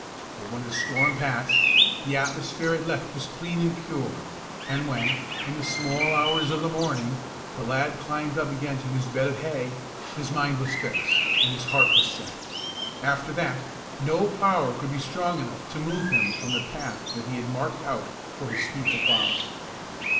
But when the storm passed, the atmosphere it left was clean and pure; and when, in the small hours of the morning, the lad climbed up again to his bed of hay, his mind was fixed, and his heart was set. After that, no power could be strong enough to move him from the path that he had marked out for his feet to follow.